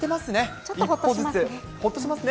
ちょっとほっとしますね。